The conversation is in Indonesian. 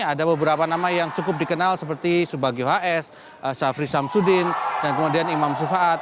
ada beberapa nama yang cukup dikenal seperti subagio hs syafri samsudin dan kemudian imam sufaat